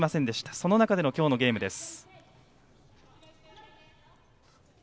その中での今日のゲームです。